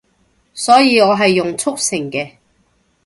所以我係用速成嘅